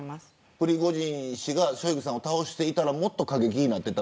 プリゴジン氏がショイグさんを倒していたらもっと過激な展開になっていた。